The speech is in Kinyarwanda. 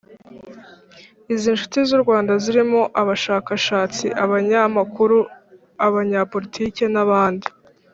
Izi nshuti z’u Rwanda zirimo abashakashatsi, abanyamakuru abanyapolitiki n’ abandi